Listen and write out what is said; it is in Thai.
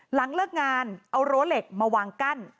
หลังเลิกงานเอารั้วเหล็กมาวางกั้น